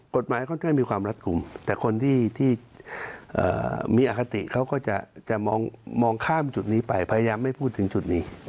ค่อนข้างมีความรัดกลุ่มแต่คนที่มีอคติเขาก็จะมองข้ามจุดนี้ไปพยายามไม่พูดถึงจุดนี้